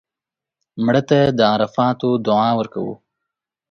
مړه ته د عرفاتو دعا ورکوو